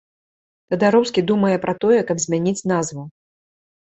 Тадароўскі думае пра тое, каб змяніць назву.